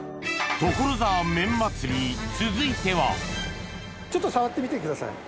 所沢麺祭り続いてはちょっと触ってみてください。